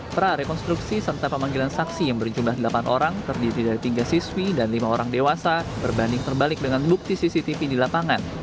prarekonstruksi serta pemanggilan saksi yang berjumlah delapan orang terdiri dari tiga siswi dan lima orang dewasa berbanding terbalik dengan bukti cctv di lapangan